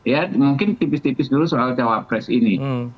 ya mungkin tipis tipis dulu soal cawapres ini